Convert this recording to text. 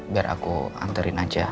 biar aku anterin aja